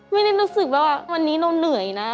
ไม่ได้รู้สึกว่าวันนี้เราเหนื่อยนะ